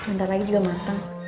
ntar lagi juga makan